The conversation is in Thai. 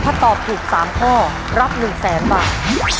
ถ้าตอบถูก๓ข้อรับ๑แสนบาท